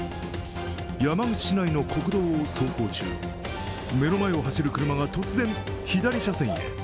山口市内の国道を走行中、目の前を走る車が突然、左車線へ。